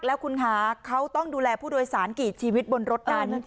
แล้วคุณคะเขาต้องดูแลผู้โดยสารกี่ชีวิตบนรถนั้น